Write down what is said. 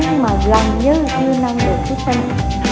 nhưng mà làm như chưa năng được chúng sinh